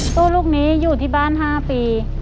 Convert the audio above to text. ตู้ลูกนี้อยู่ที่บ้าน๕ปี